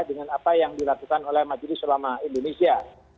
dengan apa yang dilakukan oleh majelis ulama indonesia